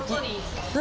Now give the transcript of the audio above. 何？